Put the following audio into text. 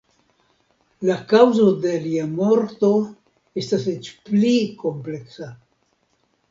La kaŭzo de lia morto estas eĉ pli kompleksa.